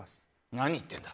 何言ってんだ？